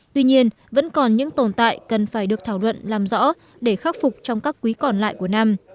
tuy nhiên vẫn còn những tồn tại cần phải được thảo luận làm rõ để khắc phục trong các quý còn lại của năm